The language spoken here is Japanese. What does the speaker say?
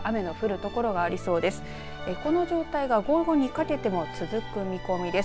この状態が、午後にかけても続く見込みです。